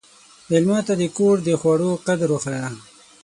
مېلمه ته د کور د خوړو قدر وښیه.